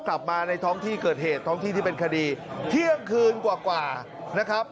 กลับมาในท้องที่เกิดเหตุท้องที่ที่เป็นคดีเที่ยงคืนกว่ากว่านะครับ